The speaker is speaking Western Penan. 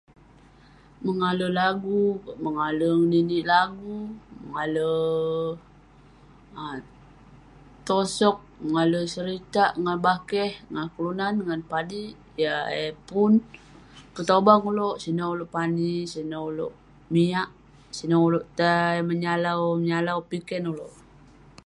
Mengale lagu, mengale ngelinik lagu. Mengale um tosok, mengale seritak ngan bakeh, ngan kelunan, ngan padik. Yah eh pun petobang ulouk. Sineh ulouk pani, sineh ulouk miyak, sineh ulouk tei menyalau-menyalau piken ulouk.